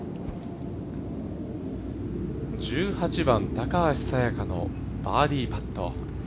１８番、高橋彩華のバーディーパット。